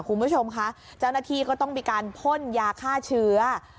คุณผู้ชมค่ะเจ้าหน้าที่ก็ต้องมีการพ่นยาฆ่าเชื้อ